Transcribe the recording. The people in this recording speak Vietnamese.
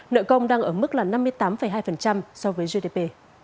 nợ công đang ở mức là năm mươi tám hai so với gdp